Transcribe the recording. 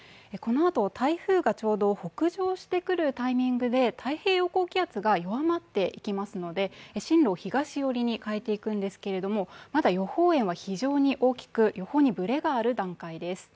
このあと、台風が北上してくるタイミングで太平洋高気圧が４回っていきますので、進路を東寄りに変えていくんですけれども、まだ予報円は非常に大きく横にぶれがある段階です。